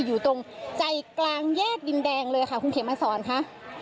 อยู่ตรงใจกลางแยกดินแดงเลยค่ะคุณเขมมาสอนค่ะ